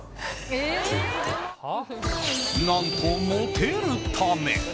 何と、モテるため！